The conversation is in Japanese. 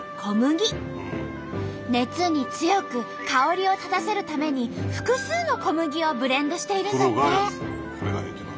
熱に強く香りを立たせるために複数の小麦をブレンドしているんだって。